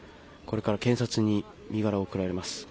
これから検察に身柄を送られます。